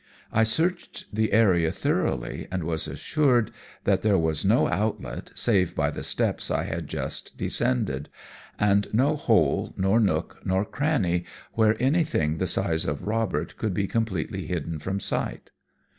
I searched the area thoroughly, and was assured that there was no outlet, save by the steps I had just descended, and no hole, nor nook, nor cranny where anything the size of Robert could be completely hidden from sight.